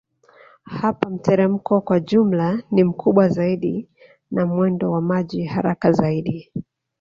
Hapa mteremko kwa jumla ni mkubwa zaidi na mwendo wa maji haraka zaidi